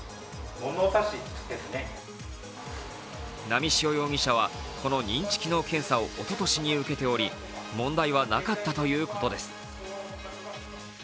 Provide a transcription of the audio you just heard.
波汐容疑者は、この認知機能検査をおととしに受けており問題はなかったということです。